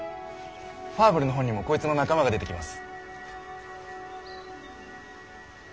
ファーブルの本にもこいつの仲間が出てきます。